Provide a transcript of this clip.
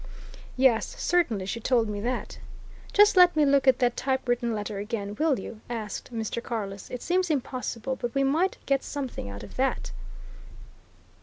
"Yes certainly she told me that." "Just let me look at that typewritten letter again, will you?" asked Mr. Carless. "It seems impossible, but we might get something out of that."